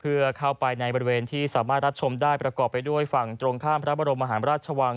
เพื่อเข้าไปในบริเวณที่สามารถรับชมได้ประกอบไปด้วยฝั่งตรงข้ามพระบรมมหาราชวัง